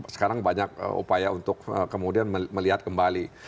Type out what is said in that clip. sekarang banyak upaya untuk kemudian melihat kembali